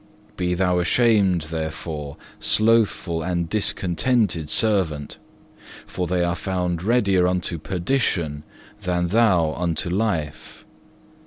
Be thou ashamed therefore, slothful and discontented servant, for they are found readier unto perdition than thou unto life.